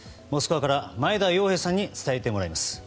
モスクワから前田洋平さんに伝えてもらいます。